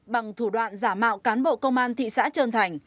bằng thủ đoạn giả mạo cán bộ công an thị xã trơn thành